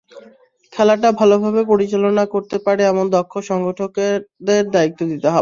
খেলাটা ভালোভাবে পরিচালনা করতে পারে এমন দক্ষ সংগঠকদের দায়িত্ব দিতে বলব।